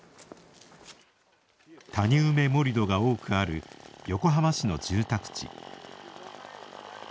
「谷埋め盛土」が多くある横浜市の住宅地。